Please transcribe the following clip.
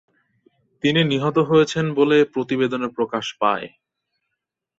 তিনি নিহত হয়েছেন বলে প্রতিবেদনে প্রকাশ পায়।